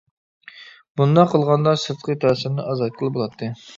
بۇنداق قىلغاندا سىرتقى تەسىرنى ئازايتقىلى بولاتتى.